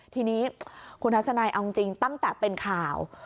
ทีนี้คุณทัศนัยเอาจริงตั้งแต่เป็นข่าว